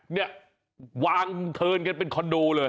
เนี่ยวางเทินกันเป็นคอนโดเลย